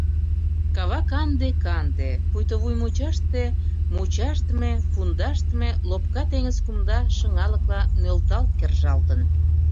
Кава канде-канде, пуйто вуй мучаште — мучашдыме, пундашдыме лопка теҥыз кумда шыҥалыкла нӧлталт кержалтын.